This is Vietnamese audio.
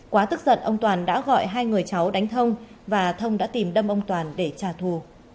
quá tức giận ông toàn đã gọi hai người cháu đánh thông và thông đã tìm đâm ông toàn để trả thù